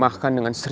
malah hacker benar